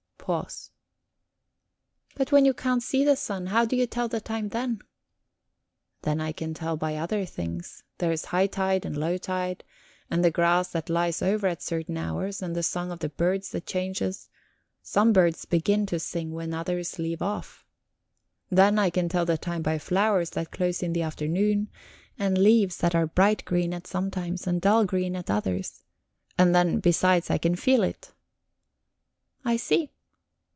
Pause. "But when you can't see the sun, how do you tell the time then?" "Then I can tell by other things. There's high tide and low tide, and the grass that lies over at certain hours, and the song of the birds that changes; some birds begin to sing when others leave off. Then, I can tell the time by flowers that close in the afternoon, and leaves that are bright green at some times and dull green at others and then, besides, I can feel it." "I see."